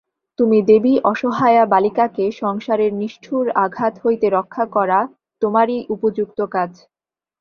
তুমি দেবী–অসহায়া বালিকাকে সংসারের নিষ্ঠুর আঘাত হইতে রক্ষা করা তোমারই উপযুক্ত কাজ।